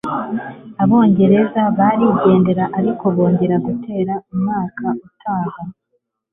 Abongereza barigendera ariko bongera gutera umwaka utaha